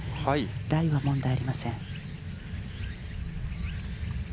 ライは問題ありません。